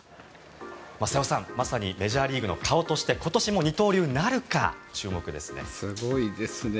瀬尾さん、まさにメジャーリーグの顔として今年も二刀流なるか注目ですね。